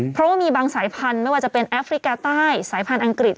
เพราะว่ามีบางสายพันธุ์ไม่ว่าจะเป็นแอฟริกาใต้สายพันธุ์อังกฤษ